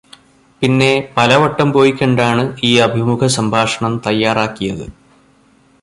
പിന്നെ പലവട്ടം പോയിക്കണ്ടാണ് ഈ അഭിമുഖസംഭാഷണം തയ്യാറാക്കിയത്.